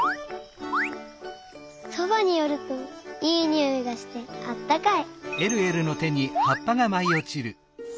そばによるといいにおいがしてあったかい。